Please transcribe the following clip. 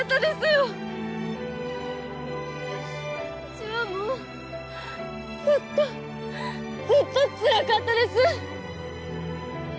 うちはもうずっとずっとつらかったです